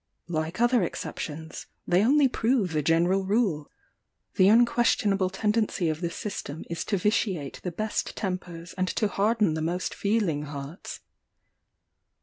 Like other exceptions, they only prove the general rule: the unquestionable tendency of the system is to vitiate the best tempers, and to harden the most feeling hearts.